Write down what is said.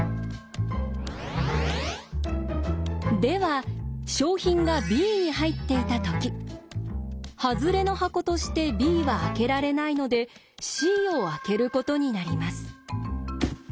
では賞品がＢに入っていたときハズレの箱としてＢは開けられないのでＣを開けることになります。